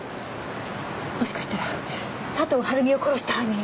もしかしたら佐藤晴美を殺した犯人が。